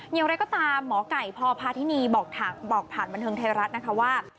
อย่างไรก็ตามหมอไก่พพาธินีบอกผ่านบันเทิงไทยรัฐนะคะว่า